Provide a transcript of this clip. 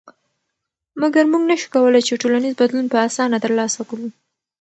مګر موږ نشو کولی چې ټولنیز بدلون په اسانه تر لاسه کړو.